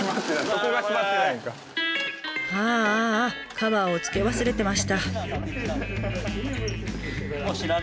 カバーをつけ忘れてました。